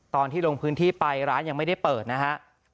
ตอนที่ลงพื้นที่ไปร้านยังไม่ได้เปิดนะฮะ